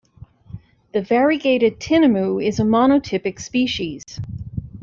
The variegated tinamou is a monotypic species.